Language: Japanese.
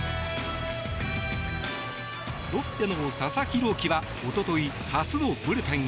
ロッテの佐々木朗希はおととい初のブルペンへ。